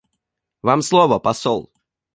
Вам слово, посол.